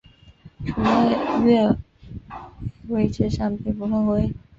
处在越位位置上并不犯规。